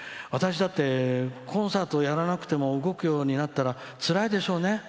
私だってコンサートをやらなくても動くようになったらつらいでしょうね。